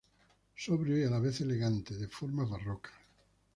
Sobrio y a la vez elegante, de formas barrocas.